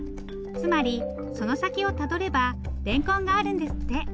つまりその先をたどればれんこんがあるんですって。